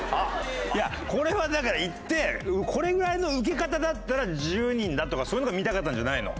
いやこれはだから行ってこれぐらいのウケ方だったら１０人だとかそういうのが見たかったんじゃないの？